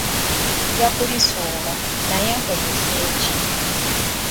Nja kulisuula, naye nkozese ki ?